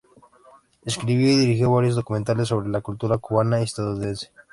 Escribió y dirigió varios documentales sobre la cultura cubana y estadounidense.